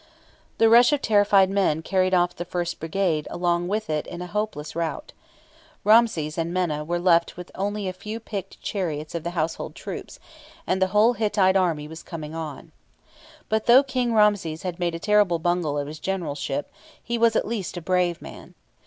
The rush of terrified men carried off the first brigade along with it in hopeless rout. Ramses and Menna were left with only a few picked chariots of the household troops, and the whole Hittite army was coming on. But though King Ramses had made a terrible bungle of his generalship, he was at least a brave man.